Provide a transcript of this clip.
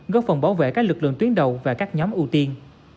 góp phần bảo vệ các lực lượng tuyến đầu và các nhóm ưu tiên